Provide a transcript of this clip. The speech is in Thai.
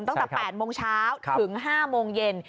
ตั้งแต่๘โมงเช้าถึง๕โมงเย็น